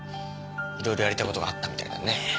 色々やりたい事があったみたいだね。